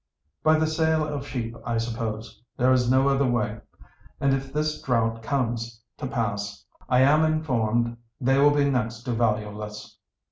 "By the sale of sheep, I suppose. There is no other way. And if this drought comes to pass I am informed they will be next to valueless.